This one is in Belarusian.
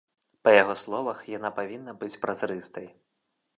Па яго словах, яна павінна быць празрыстай.